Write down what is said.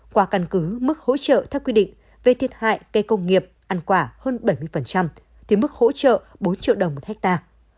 qua căn cứ mức hỗ trợ theo quy định về thiệt hại cây công nghiệp ăn quả hơn bảy mươi thì mức hỗ trợ bốn triệu đồng một ha